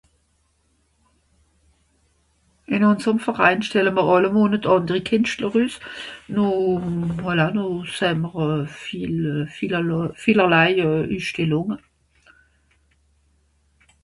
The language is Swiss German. ìnn ùnserem Verain stelle m'r àlle Mònet ànderi Kìnchtler üss no voila no säm'r euh viel euh vielale vielerlai euh Üsstellunge